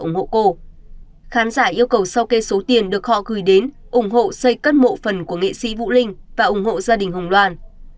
khán giả yêu cầu sau kê số tiền được họ gửi đến ủng hộ xây cất mộ phần của nghệ sĩ vũ linh và ủng hộ gia đình hùng đoàn